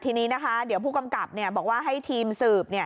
ทีนี้นะคะเดี๋ยวผู้กำกับบอกว่าให้ทีมสืบ